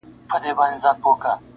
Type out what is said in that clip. بخته راته یو ښکلی صنم راکه,